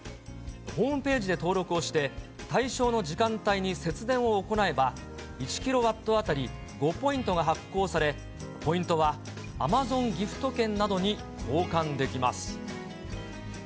ホームページで登録をして、対象の時間帯に節電を行えば、１キロワット当たり５ポイントが発行され、ポイントはアマゾンギフト券などに交換できます。